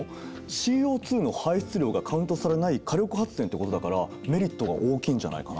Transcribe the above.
ＣＯの排出量がカウントされない火力発電ってことだからメリットが大きいんじゃないかな？